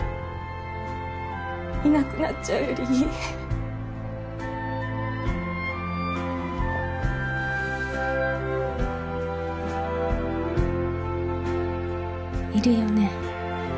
いなくなっちゃうよりいいいるよね？